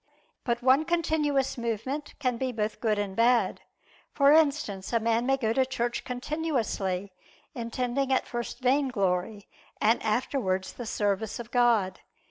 But one continuous movement can be both good and bad: for instance, a man may go to church continuously, intending at first vainglory, and afterwards the service of God.